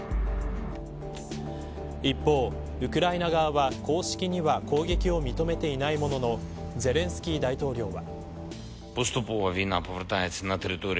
一方ウクライナ側は公式には攻撃を認めていないもののゼレンスキー大統領は。